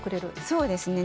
そうですね。